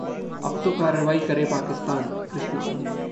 अब तो कार्रवाई करे पाकिस्तान: कृष्णा